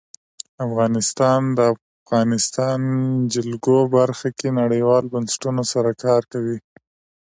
افغانستان د د افغانستان جلکو په برخه کې نړیوالو بنسټونو سره کار کوي.